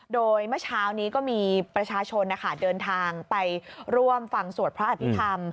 โดยเมื่อเช้านี้ก็มีประชาชนเดินทางไปร่วมฟังสวดพระอภิษฐรรม